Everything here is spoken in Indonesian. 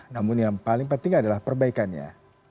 namun yang paling penting adalah perbaikannya